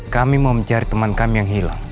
kami mau mencari teman kami yang hilang